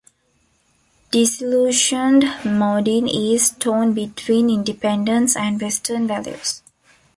Disillusioned Modin is torn between independence and Western values.